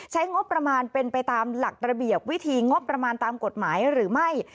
ใช้งบประมาณเป็นไปตามหลักระเบียบวิธีงบประมาณตามกฎหมายหรือไม่